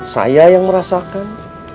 saya yang merasakan